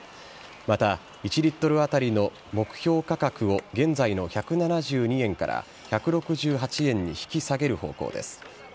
また１リットル当たりの目標価格を現在の１７２円から１６８円に引き下げる方向です。